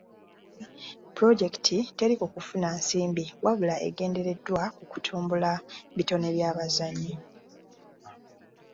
Pulojekiti teri ku kufuna nsimbi wabula egendereddwa kutumbula bitone by'abazannyi.